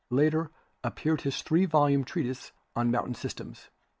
Later appeared his three volume treatise on mountain systems.